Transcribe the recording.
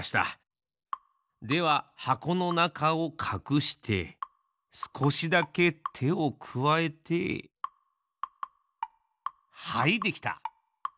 でははこのなかをかくしてすこしだけてをくわえてはいできた！